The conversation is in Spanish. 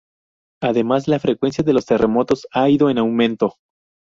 Además, la frecuencia de los terremotos ha ido en aumento.